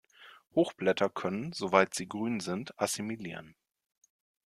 Hochblätter können, soweit sie grün sind, assimilieren.